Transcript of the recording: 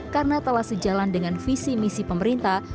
karena telah sejalan dengan visi misi pemerintah